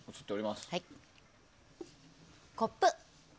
コップ。